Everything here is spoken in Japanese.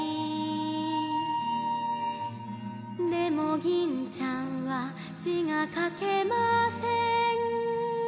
「でも銀ちゃんは字が書けません」